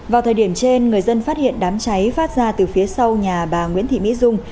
vào thời điểm trên người dân phát hiện đám cháy phát ra từ phía sau nhà bà nguyễn thị mỹ dung